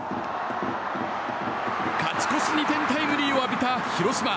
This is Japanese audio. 勝ち越し２点タイムリーを浴びた広島。